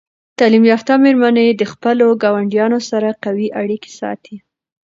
تعلیم یافته میرمنې د خپلو ګاونډیانو سره قوي اړیکې ساتي.